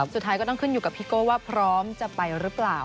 สุดท้ายก็ต้องขึ้นอยู่กับพี่โก้ว่าพร้อมจะไปหรือเปล่า